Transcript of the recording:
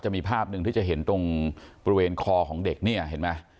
มีภาพหนึ่งที่จะเห็นตรงบริเวณคอของเด็กเนี่ยเห็นไหม